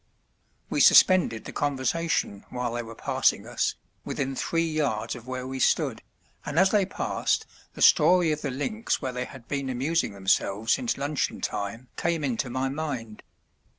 We suspended the conversation while they were passing us, within three yards of where we stood, and as they passed the story of the links where they had been amusing themselves since luncheon time came into my mind.